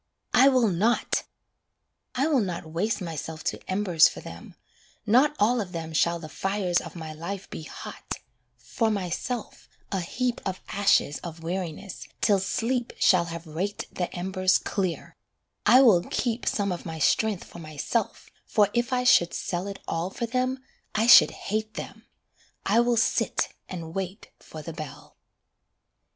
I will not! I will not waste myself to embers for them, Not all for them shall the fires of my life be hot, For myself a heap of ashes of weariness, till sleep Shall have raked the embers clear: I will keep Some of my strength for myself, for if I should sell It all for them, I should hate them I will sit and wait for the bell.